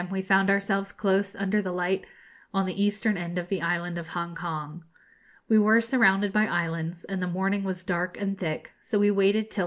we found ourselves close under the light on the eastern end of the island of Hongkong. We were surrounded by islands, and the morning was dark and thick; so we waited till 5.